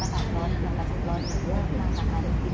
เราแต่ว่าเหมือนเขาไม่ได้เรียนหวังว่าไปแล้วแล้วมันกำลังกลัวไปห้าม